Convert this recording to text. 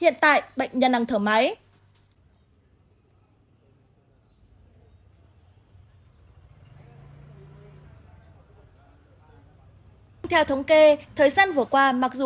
hiện tại bệnh nhân đang thở máy